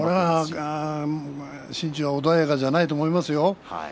心中穏やかじゃないと思いますよ。